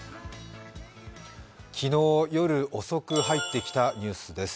昨日夜遅く入ってきたニュースです。